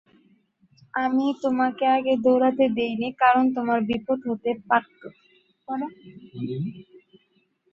আমি তোমাকে আগে দৌড়াতে দেইনি কারণ তোমার বিপদ হতে পারতো।